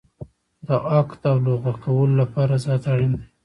د عقد او لغوه کولو لپاره رضایت اړین دی.